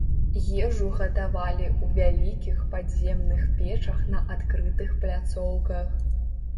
Ежу гатавалі ў вялікіх падземных печах на адкрытых пляцоўках.